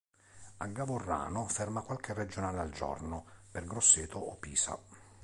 A Gavorrano ferma qualche regionale al giorno per Grosseto o Pisa.